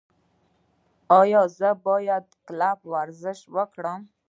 ایا زه باید په کلب کې ورزش وکړم؟